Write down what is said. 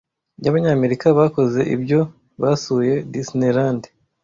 by'Abanyamerika bakoze ibyo Basuye Disneyland /